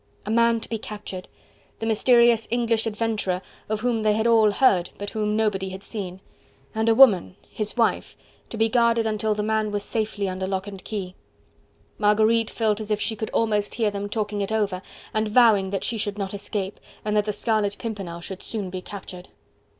A man to be captured! the mysterious English adventurer of whom they had all heard, but whom nobody had seen. And a woman his wife to be guarded until the man was safely under lock and key. Marguerite felt as if she could almost hear them talking it over and vowing that she should not escape, and that the Scarlet Pimpernel should soon be captured.